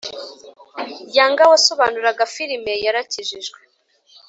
Yanga wasobanuraga firme yarakijijwe